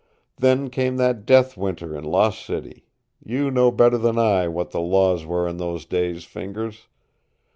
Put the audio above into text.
"Then came that death Winter in Lost City. You know better than I what the laws were in those days, Fingers.